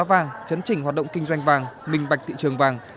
giá vàng chấn chỉnh hoạt động kinh doanh vàng minh bạch thị trường vàng